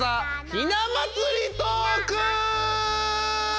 ひな祭りトク！